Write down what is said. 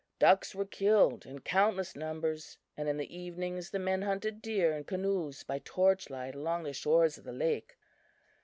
Ducks were killed in countless numbers, and in the evenings the men hunted deer in canoes by torchlight along the shores of the lake.